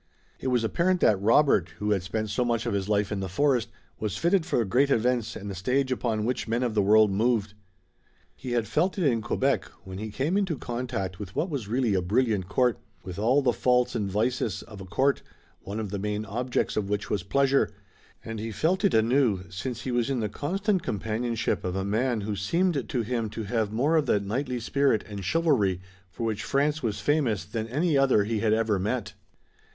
It was apparent that Robert, who had spent so much of his life in the forest, was fitted for great events and the stage upon which men of the world moved. He had felt it in Quebec, when he came into contact with what was really a brilliant court, with all the faults and vices of a court, one of the main objects of which was pleasure, and he felt it anew, since he was in the constant companionship of a man who seemed to him to have more of that knightly spirit and chivalry for which France was famous than any other he had ever met.